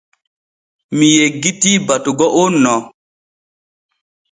Mi yeggitii batugo on no.